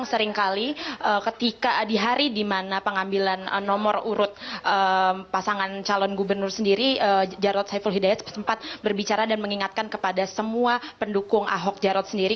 seringkali ketika di hari di mana pengambilan nomor urut pasangan calon gubernur sendiri jarod saiful hidayat sempat berbicara dan mengingatkan kepada semua pendukung ahok jarot sendiri